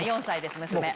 ４歳です娘。